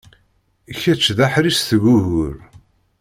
Kečč d aḥric seg ugur.